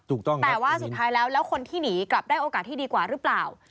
ถูกต้องแต่ว่าสุดท้ายแล้วแล้วคนที่หนีกลับได้โอกาสที่ดีกว่าหรือเปล่า